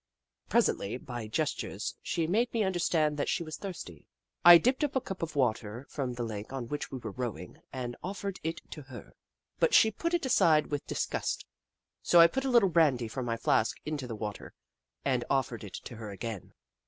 Presently, by gestures, she made me understand that she Kitchi Kitchi 97 was thirsty. I dipped up a cup of water from the lake on which we were rowing and offered it to her, but she put it aside with disgust. So I put a Httle brandy from my flask into the water and offered it to her again.